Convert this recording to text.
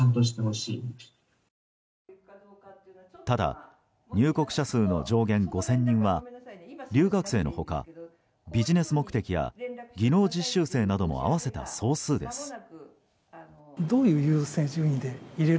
ただ、入国者数の上限５０００人は留学生の他ビジネス目的や技能実習生なども合わせた総数です。